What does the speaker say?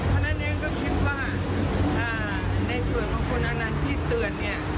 พนันเนื้อก็คิดว่าในส่วนของคุณอนันท์ที่เตือน